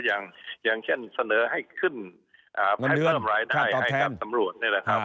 อย่างเช่นเสนอให้ขึ้นเพิ่มรายได้ให้กับตำรวจนี่แหละครับ